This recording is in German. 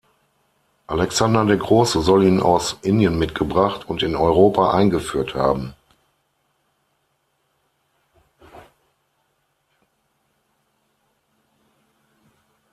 Alexander der Große soll ihn aus Indien mitgebracht und in Europa eingeführt haben.